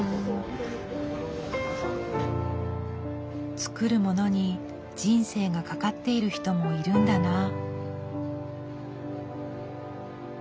作るものに人生が懸かっている人もいるんだなあ。